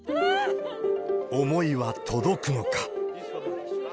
思いは届くのか。